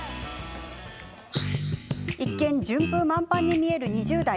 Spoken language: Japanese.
一見、順風満帆に見える２０代。